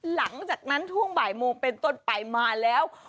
หลังจากนั้นช่วงบ่ายโมงเป็นต้นไปมาแล้ว